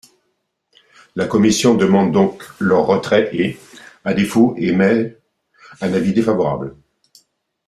La commission demande donc leur retrait et, à défaut, émet un avis défavorable.